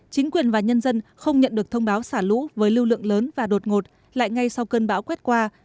chính quyền và nhân dân không nhận được thông báo xả lũ với lưu lượng lớn và đột ngột lại ngay sau cơn bão quét qua